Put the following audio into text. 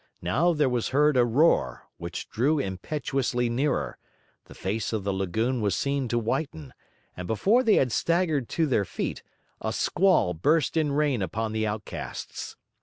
Now there was heard a roar, which drew impetuously nearer; the face of the lagoon was seen to whiten; and before they had staggered to their feet, a squall burst in rain upon the outcasts.